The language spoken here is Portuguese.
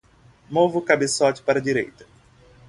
Mova o cabeçote para a direita